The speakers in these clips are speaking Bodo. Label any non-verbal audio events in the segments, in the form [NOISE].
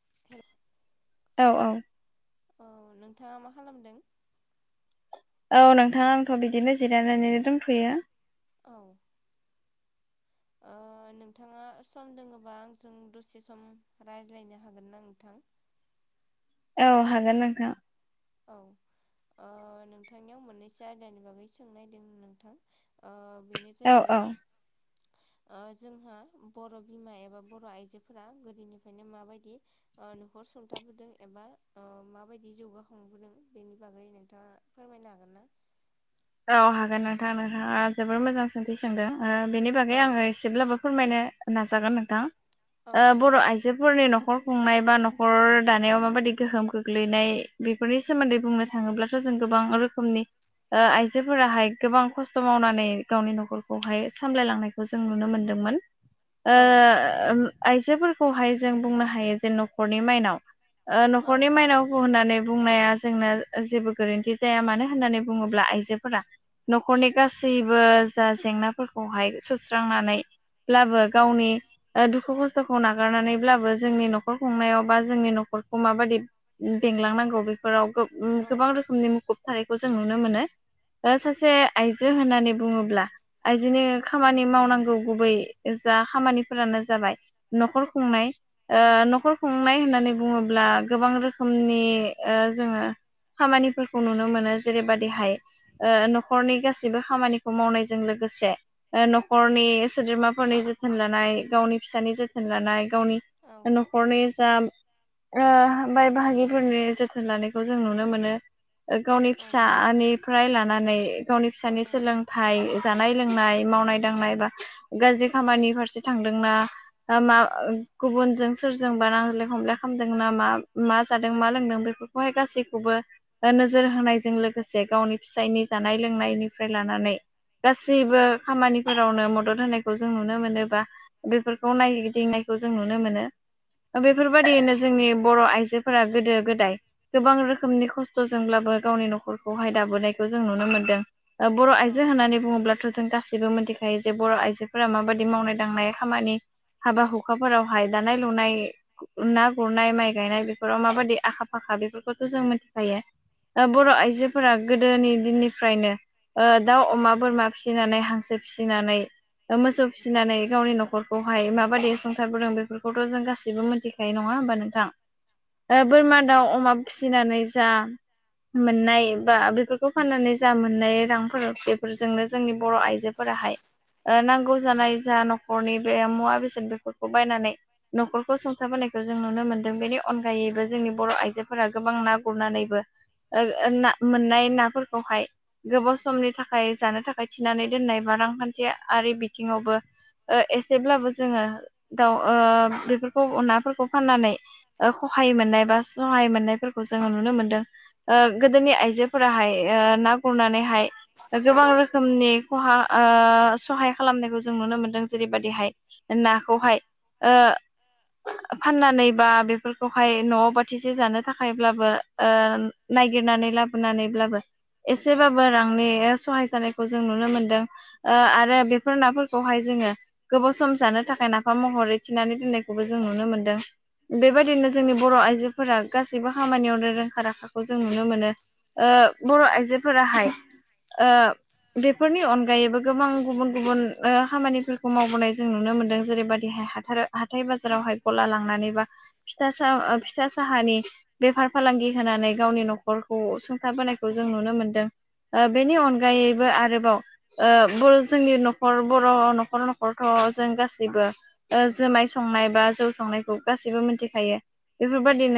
[INAUDIBLE] औ औ औ नोंथाङा मा खालामदों औ नोंथां आंथ' बिदिनो जिरायनानैनो दंथ'यो औ नोंथाङा सम दोङोबा आंजों दसे सम रायज्लायनो हागोन ना नोंथां [INAUDIBLE] औ हागोन नोंथां औ ओ नोंथांनियाव मोननैसो आयदानि बागै सोंनायदों नोंथां ओह बेनो औ औ जाहैबाय जोंहा बर' बिमा एबा बर' आइजोफोरा गोदोनिफ्रायनो माबायदि न'खर सुंथाबोदों एबा माबायदि जौगा खांबोदों बेनि बागै नोंथाङा फोरमायनो हागोन ना? औ हागोन नोंथां नोंथाङा जोबोर मोजां सोंथि सोंदों बेनि बागै औ आङो एसेब्लाबो फोरमायनो नाजागोन नोंथां औ नंगौ। बर' आइजोफोरनि न'खर खुंनाय बा न'खर दानायाव माबायदि गोहोम गोग्लैनाय बेफोरनि सोमोन्दै बुंनो थाङोब्लाथ' जों गोबां रोखोमनि आ आइ जोफोराहाय गोबां खस्थ' मावनानै गावनि न'खरखौहाय सामलायलांनायखौ जों नुनो मोनदोंमोन। ओ औ औ। आइजोफोरखौहाय जों बुंनो हायो जे न'खरनि माइनाव। ओ न'खरनि माइनाव हु होननानै [UNINTELLIGIBLE] बुंनाया जोंना जेबो गोरोन्थि जाया मानो होननानै बुङोब्ला आइजो फोर न'खरनि गासैबो जा जेंनाफोरखौहाय सुस्रांनानै ब्लाबो गावनि दुखु खस्थ'खौ नागारनानैब्लाबो जोंनि न'खर खुंनायाव बा जोंनि न' 'खरखौ माबायि बेंलांनांगौ बेफोराव औ गोबां रोखोमनि मुखुब थानायखौ जों नुनो मोनो। सासे आइजो होननानै बुङोब्ला आइजोनि औ। खामानि मावनांगौ गुबै जा खामानिफोरानो जाबाय न'खर खुंनाय न'खर खुंनाय होननानै बुङोब्ला गोबां रोखोमनि जोङो खामानिफोरखौ नुनो मोनो जेरैबादिहाय न'खरनि गासैबो खामानिखौ मावनायजों लोगोसे न'खरनि सोद्रोमाफोरनि जोथोन लानाय गावनि फिसानि जोथोन लानाय गावनि न'खरनि जा बाय बाहागिफोरनि जोथोन लानायखौ जों नुनो मोनो। गावनि औ औ। फिसानिफ्राय लानानै गावनि फिसानि औ। सोलोंथाइ जानाय लोंनाय मावनाय दांनाय बा गाज्रि खामानि फारसे थांदोंना मा गुबुन फोरजों बा नांज्लाय हमज्लाय खालामदों नामा मा जादों मा लोंदों बेहाय गैखौबो नोजोर होनायजों लोगोसे गावनि फिसायनि जानाय लोंनायनिफ्राय लानानै औ गासैबो खामानिफोरावनो मदद होनायखौ जों नुनो मोनोबा बेफोरखौ नायिदिंनाय खौ जों नुनो मोनो औ बेफोरबायदियैनो जोंनि बर' आइजो फोर गोदो गोदाय गोबां रोखोमनि खस्थ'जोंब्लाबो गावनि न'खरखौहाय दाबोनाय खौ जों नुनो मोनदों बर' औ आइजो होननानै बुङोब्लाथ' जों गासै बो मिथिखायो जे बर' आइजोफोरा माबायदि मावनाय दांनाय खामानि हाबा हुखाफोरावहाय दानाय लुनाय ना गुरनाय माइ गायनाय बेफोराव माबायदि आखा फा खा बेफोरखौथ' जों मिथिखायो बर' औ आइजोफोरा गोदोनि दिननिफ्रायनो दाउ अमा बोरमा फिसिनानै हांसो फिसिनानै मोसौ फिसिनानै गावनि न'खरखौहाय माबायदि संसारबोदों बेफोरखौथ' जों गासैबो मिथिखायो नङा होमबा नोंथां [INAUDIBLE] बोरमा दाउ नंगौ अमा फिसिनानै जा मोननाय बा बेफोर खौ फाननानै जा मोननाय रांफोर बेफोरजोंनो जोंनि बर' आइजोफोराहाय नांगौ जानाय जा न'खरनि बे मुवा बेसेन बेफोरखौ बायनानै न'खरखौ सुंथाबोनाय जों नुनो मोनदों बेनि औ अनगायैबो जोंनि बर' आइजोफोरा गोबां ना गुरनानैबो मोननाय ना फोरखौहाय गोबाव समनि थाखाय जानो थाखाय थिनानै दोननाय बा रांखान्थियारि बिथिङावबो एसेब्लाबो जोङो दाउ बेफोरखौ नाफोरखौ फाननानै खहाय मोननाय बा सहाय मोननायफोरखौ जोङो नुनो मोनदों गोदोनि आइजोफोराहाय ना गुरनानैहाय गोबां रोखोमनि खहा सहाय खालामनायखौ जों नुनो मोनदों जेरैबायदिहाय नाखौहाय आ फाननानै बा बेफोरखौहाय न'आव बाथिसे जानो थाखायब्लाबो आ नागिरनानै लाबोनानैब्लाबो एसेबाबो रांनि सहाय जानायखौ जों नुनो मोनदों। आरो बेफोर नाफोरखौहाय जोङो गोबाव सम जानो थाखाय नाफाम महरैथिनानै दोननायखौबो जों नुनो मोनदों। बेबायदिनो जोंनि बर' आइजोफोरा गासैबो खामानियावनो रोंखा राखाखौ जों नुनो मोनो। बर' आइजोफोराहाय आ बेफोरनि अनगायैबो गोबां गुबुन गुबुन खामानिफोरखौ मावबोनाय जों नुनो मोनदों जेरैबायदिहाय हाथाय बाजारावहाय गला लांनानैबा औ फिथा साहानि बेफार फालांगि होनानै गावनि न'खरख सुंथाबोनाखौ नुनो मोनो खौ जों नुनो मोनदों बेनि अनगायैबो आरोबाव जोंनि न'खर बर' न'खर न'खरथ' जों गासैबो जुमाय संनाय बा जौ संनायखौ गासैबो मिथिखायो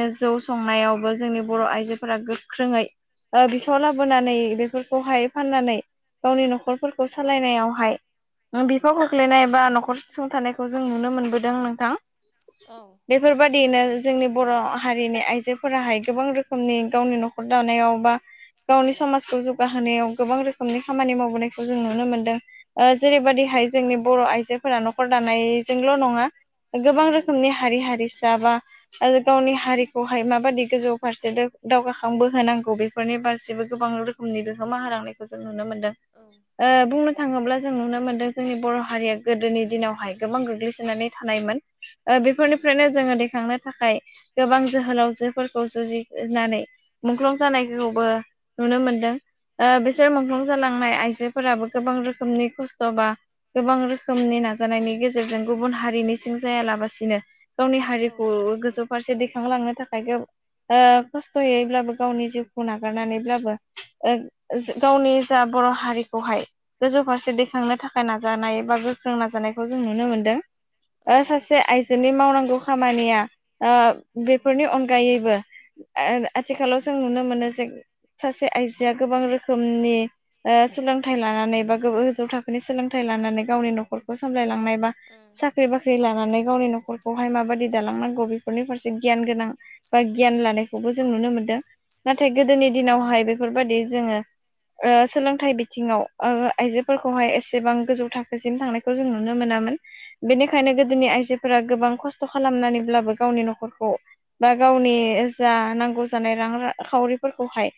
औ जौ संनायावबो जोंनि बर' आइजोफोरा गोख्रोङै बिफाव लाबोनानै बेफोरखौहाय फाननानै गावनि न'खरफोरखौ सालायनायावहाय बिफाव खोख्लैनाय बा न'खर थिसुंथानायखौ जों नुनो मोनबोदों नोंथां औ बेफोरबादियैनो जोंनि बर' हारिनि आइजोफोराहाय गोबां रोखोमनि गावनि न'खर दानायाव बा गावनि समाजखौ जौगाहोनायाव गोबां रोखोमनि खामानि मावबोनायखौ जों नुनो मोनदों औ जेरैबायदिहाय जोंनि बर' आइजोफोरा न'खर दानायजोंल' नङा गोबां रोखोमनि हारि हारिसा बा गावनि हारिखौहाय माबादि गोजौ फारसे दावगाखांबो होनांगौ बे फोरनि गासिबो गोबां रोखोमनि बिहोमा होलांनायखौ जों नुनो मोनदों बुंनो थाङोब्ला जों नुनो मोनदों जोंनि बर' हारिया गोदोनि दिनावहाय गोबां गोग्लैसोनानै थानायमोन औ बेफोरनिफ्रायनो जोङो दैखांनो थाखाय गोबां जोहोलावजोफोरखौ जुजिनानै मुंख्लं जानाय खौबो नुनो मोनदों बिसोर मुंख्लं जालांनाय आइजोफोराबो गोबां रोखोमनि खस्थ' बा गोबां रोखोमनि नाजानायनि गेजेरजों गुबुन हारिनि सिं जायालाबसिनो गावनि हारिखौ गोजौ फारसे लांनो थाखाय खस्थ'यैब्लाबो गावनि जिउखौ नागारनानैब्लाबो गावनि जा बर' हारिखौहाय गोजौ फारसे दैखांनो थाखाय नाजानाय बा गोख्रों नाजानायखौ जों नुनो मोनदों उम सासे आइजोनि मावनांगौ खामानिया ओ बेफोरनि अनगायैबो आथिखालाव जों नुनो मोनो सासे आइजोआ गोबां रोखोमनि सोलोंथाइ लानानै बा गोजौ थाखोनि सोलोंथाइ लानानै गावनि न'खरखौ सामलायलांनाय बा साख्रि बाख्रि लानाय गावनि न'खरखौहाय माबायदि दालांनांगौ बेफोरनि फारसे गियान गोनां बा गियान लानायखौबो जों नुनो मोनदों नाथाय गोदोनि दिनावहाय बेफोरबायदि जोङो सोलोंथाइ बिथिङाव आइजोफोरखौहाय एसेबां गोजौ थाखोसिम थांनायखौ जों नुनो मोना बेनिखायनो गोदोनि आइजो फोरा गोबां खस्थ' खालामनानैब्लाबो गावनि न'खरखौ बा गावनि जा नांगौ जानाय रां रांखावरिफोरखौहाय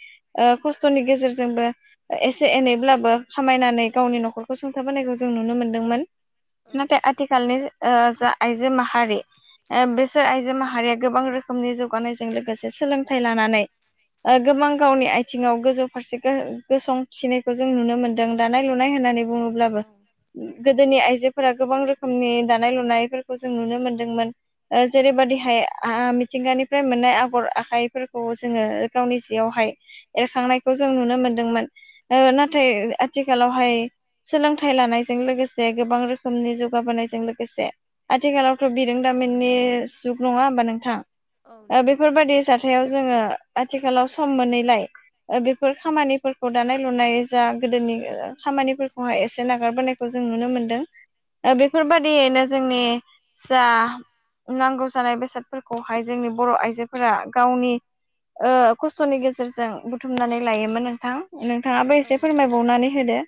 खस्थ'नि गेजेरजोंबो एसे एनैब्लाबो खामायनानै गावनि न'खरखौ सुंथा बोनायखौ जों नुनो मोनदोंमोन ओं औ औ नाथाय आथिखालनि जा आइजो माहारि बिसोर आइजो माहारिया गोबां रोखोमनि जौगानायजों लोगोसे सोलोंथाइ लानानै गोबां गावनि आथिङाव गोजौ फारसे गसंफिनायखौ जों नुनो मोनदों दानाय लुनाय होननानै औ बुङोब्लाबो गोदोनि आइजोफोरा गोबां रोखोमनि दानाय लुनायफोरखौ जों नुनो मोनदोंमोन औ जेरैबायदिहाय मिथिंगानिफ्राय मोननाय आगर आखाइफोरखौ जोङो गावनि जिआवहाय एरखांनायखौ जों नुनो मोनदोंमोन नाथाय आथिखाल हाय सोलोंथाइ लानायजों लोगोसे गोबां रोखोमनि जौगाबोनायजों लोगोसे आथिखालावथ' बिरोंदामिननि जुग नङा होमबा नोंथां औ नंगौ बेफोरबायाददि जाथायाव जोङो आथिखालाव सम मोनैलाय बेफोर खामानिफोरखौ दानाय लुनाय जा गोदोनि खामानिफोरखौहाय एसे नागारबोनायखौ जों नुनो मोनदों बेफोरबादियैनो जोंनि जा नांगौ जानाय बेसादफोरखौहाय जोंनि बर' आइजोफोरा गावनि ओ खस्थ'नि गेजेरजों बुथुमनानै लायोमोन नोंथां नोंथाङाबो औ एसे नंगौ फोरमायबावनानै होदो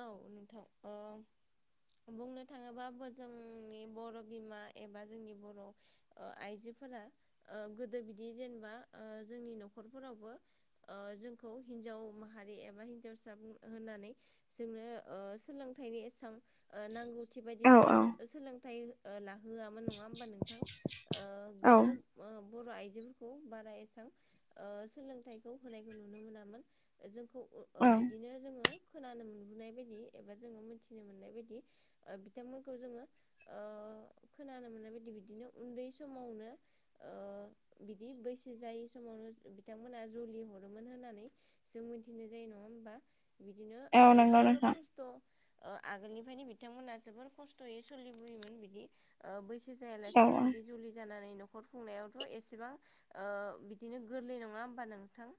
औ नोंथां ओ बुंनो थाङोबाबो जोंनि बर' बिमा एबा जोंनि बर' ओ आइजो फोरा ओ गोदो बिदि जेनेबा जोंनि न'खरफोरावबो ओ जोंखौ हिन्जाव माहारि एबा हिन्जावसा बुं होननानै जोंनो ओ सोलोंथाइनि एसां नांगौथि बादि औ जोंखौ औ सोलोंथाइ ला होआमोन नङा होमबा नोंथां। ओ गोदो औ ओ बर' आइजोफोरखौ बारा एसां ओ सोलोंथाइखौ होनायखौ नुनो मोनामोन। ओ जोंखौ ओ बिदिनो जोङो खोनानो मोन नाय बादि एबा जोङो मिथिनो मोननाय बादि ओ बिथांमोनखौ ओ जोङो ओ खो नानो मोननाय बायदि बिदिनो उन्दै समावनो ओ बिदि बैसो जायै समावनो बिथांमोना जुलि हरोमोन होननानै जों मिथिनो मोननाय जायो नङा होमबा बिदिनो औ ओ औ नंगौ जोबोर नोंथां खस्थ' ओ आगोलनिफ्रायनो बिथांमोना जोबोर खस्थ'यै सोलिबोयोमोन बिदि ओ बै औ जायालासिनो बिदि जुलि जानानै न नखर खुंनायावथ' एसेबां ओ बिदिनो गोरलै नङा होमबा नोंथां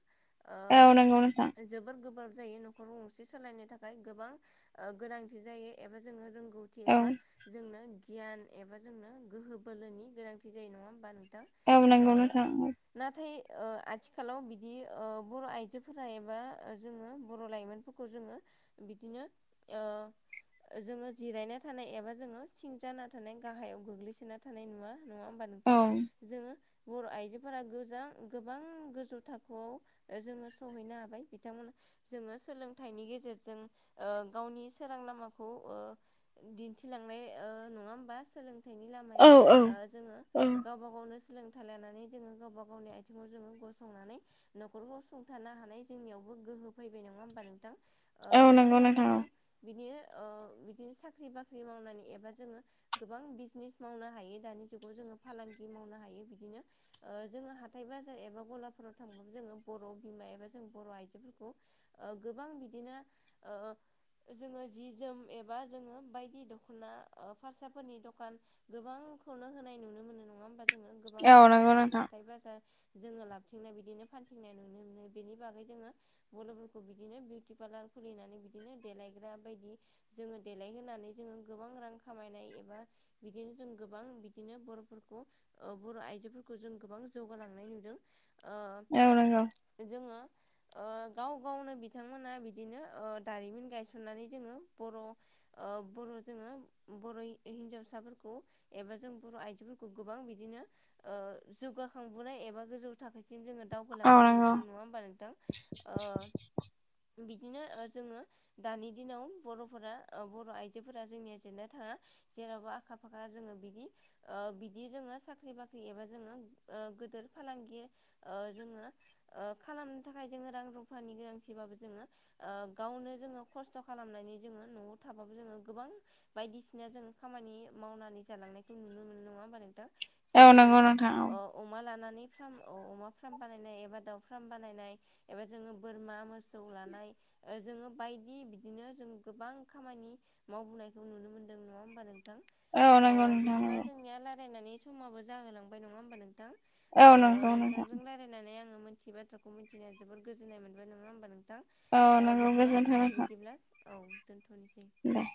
औ औ नंगौ नोंथां ओ जोबोर गोब्राब जायो न'खराव गंसे सालायनो थाखाय थाखाय गोबां ओ गोनांथि जायो एबा जोंङो रोंगौथि औ एबा जोंनो गियान एबा जोंनो गोहो बोलोनि गोनांथि जायो नङा होमबा नों ओं नोंगौ नोथां औ आथिखालाव बिदि ओ बर' आइजोफोरा एबा जोङो बर' लाइमोनफोरखौ जोङो बिदिनो ओ ओ जोङो जिरायना थानाय एबा जोङो थिं जाना थानाय गाहायाव गोग्लैसोना थानाय नुवा नङा होमबा नोंथां औ जोङो बर' आइजोफोरा गोजां गोबां गोजौ थाखोआव ओ जोङो सहैनो हाबाय बिथांमोना जोङो सोलोंथाइनि गेजेरजों ओ गावनि सोरां लामाखौ ओ दिन्थिलांनाय ओ नङा होमबा सोलों थाइनि औ लामाया औ ओ जोङो औ गावबा गावनो सोलों थाइ लानानै जोङो गावबा गावनि आथिङाव जोङो गसंनानै न'खरखौ सुंथारानो हानाय जोंनियावबो गो हो फैबाय नङा होनबा नों औ नों बिथांमोना गोबां बिदि ओ बिदिनो साख्रि बाख्रि मावनानै एबा जोङो गोबां बिजनेस मावनो हायो दानि जुगाव जोङो फालांगि मावनो हायो बिदिनो ओ जोङो हाथाय बाजार एबा गलाफोराव थांबो जोङो बर' बिमा एबा जों बर' आइजोफोरखौ ओ गोबां बिदिनो ओ जोङो जि जोम एबा जोङो बायदि दख'ना ओ फारसाफोरनि दखान गोबां खौनो होनाय नुनो मोनो नङा होमबा जोङो गोबां औ नंगौ नोंथां हाइ-हाथाय बाजार जोङो लाबथिंनाय बिदिनो फानथिंनाय नुनो मोनो बेनि बागै जोङो बर'फोरखौ बिदिनो बिउटि पार्लार खुलिनानै बिदिनो देलायग्रा बायदि जोङो देलायहोनानै जोङो गोबां रां खामायनाय एबा बिदिनो जों गोबां बिदिनो बर'फोरखौ ओ बर' आइजोफोरखौ जों गोबां जौगालांनाय नुदों औ नंगौ ओ जोङो ओ गाव गावनो बिथांमोना बिदिनो ओ दारिमिन गायसननानै जोङो बर' ओ बर' जोङो बर' हिनजावसाफोरखौ एबा जों बर' आइजोफोरखौ गोबां बिदिनो ओ जौगाखांबोनाय एबा बा गोजौ थाखोसिम जोङो औ दावखोलांनाय नंगौ नुदों नङा होमबा नोंथां? बिदिनो ओ जोङो दानि दिनाव बर'फोरा ओ बर' आइजोफोरा जोंनिया जेनना थाङा। जेरावबो आखा फाखा जोङो बिदि। ओ बिदि जोङो साख्रि बाख्रि एबा जोङो ओ गोद फार फालांगि ओ जोङो ओ खालामनो थाखाय जोङो रां रुफानि गोनांथिबाबो जोङो ओ गावनो जोङो खस्थ' खालामनानै जोङो न'आव थाबाबो जोङो गोबां बायदिसिना जों खामानि मावनानै जालांनायखौ नुनो मोनो नङा होमबा नोंथां। औ जेरै नंगौ जोङो नोंथां औ अमा लानानै फार्म अमा फार्म बानायनाय एबा दाउ फार्म बानायनाय एबा जोङो बोरमा मोसौ लानाय ओ जोङो बायदि बिदिनो जों गोबां खामानि मावबोनायखौ नुनो मोनदों नङा होमबा नों औ नंगौ नोंथां बेरायनानै समावबो जाहोलांबाय नङा होमबा नों औ नंगौ औ नंगौ आङो मोनथियि बाथ्राखौ मिथिनाया जोबबोद गोजोननाय मोनबाय नङा होमबा नोंथां? औ ओ नंगौ बिदिबा गोजोनथों दे नोंथां। बिदिब्ला औ दोनथ'नोसै दे